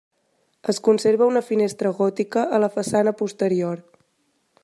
Es conserva una finestra gòtica a la façana posterior.